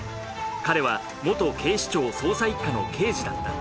彼は元警視庁捜査一課の刑事だった。